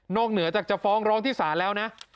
เหนือจากจะฟ้องร้องที่ศาลแล้วนะ